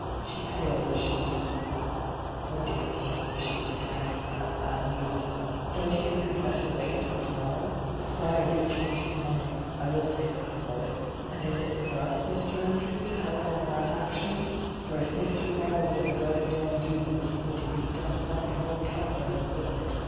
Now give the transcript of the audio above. She paled as she listened. ' Oh dear me !' she exclaimed. ' That's bad news, sir. Don't you think we'd better wait till to morrow ? The Squire do change his mind — I will say that for 'im. And is it for us, Mr. Andrew, to help on bad actions ? For if Mr. Quarles is a going to undo the little good he's done, nothing won't count for him, will it?'